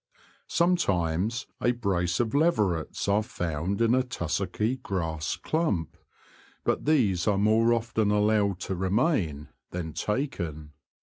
Sometimes a brace of leverets are found in a tussocky grass clump, but these are more often allowed to remain than taken.